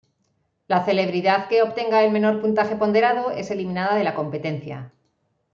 La celebridad que obtenga el menor puntaje ponderado es eliminada de la competencia.